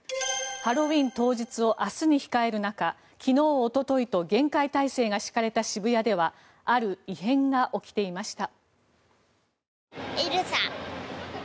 ハロウィーン当日を明日に控える中昨日、おとといと厳戒態勢が敷かれた渋谷ではある異変が起きていました。